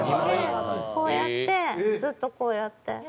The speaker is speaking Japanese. こうやってずっとこうやって。